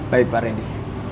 baik pak randy